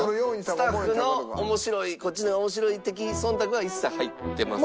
スタッフの面白いこっちの面白い的忖度は一切入ってません。